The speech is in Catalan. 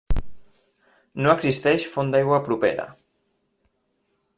No existeix font d'aigua propera.